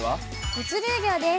「物流業」です。